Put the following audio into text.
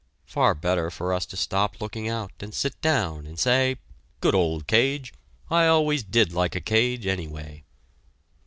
Far better for us to stop looking out and sit down and say: "Good old cage I always did like a cage, anyway!"